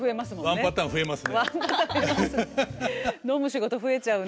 ワンパターン増えます。